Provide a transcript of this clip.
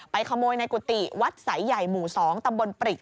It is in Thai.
ขโมยในกุฏิวัดสายใหญ่หมู่๒ตำบลปริก